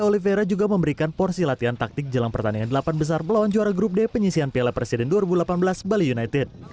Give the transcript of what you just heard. oliveira juga memberikan porsi latihan taktik jelang pertandingan delapan besar melawan juara grup d penyisian piala presiden dua ribu delapan belas bali united